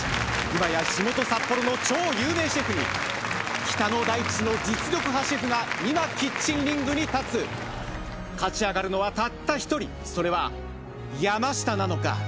今や地元札幌の超有名シェフに北の大地の実力派シェフが今キッチンリングに立つ勝ち上がるのはたった１人それは山下なのか？